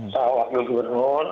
saat waktu diberlengur